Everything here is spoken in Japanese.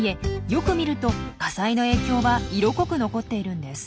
よく見ると火災の影響は色濃く残っているんです。